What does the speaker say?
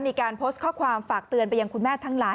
มีการโพสต์ข้อความฝากเตือนไปยังคุณแม่ทั้งหลาย